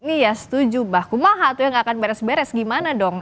iya setuju baku mahal tuh ya nggak akan beres beres gimana dong